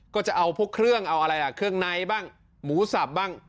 ก็จะเอาพวกเครื่องเอาอะไรอ่ะเครื่องในบ้างหมูสับบ้าง